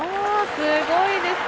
すごいですね。